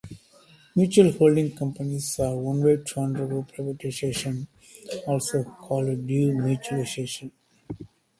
Mutual holding companies are one way to undergo privatization, also called demutualization.